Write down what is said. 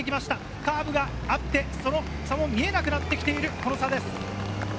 カーブがあって見えなくなっているこの差です。